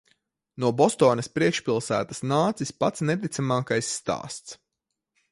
No Bostonas priekšpilsētas nācis pats neticamākais stāsts.